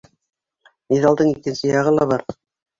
Миҙалдың икенсе яғы ла бар.